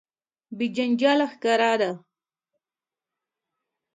بې جنجاله ښکاره ده.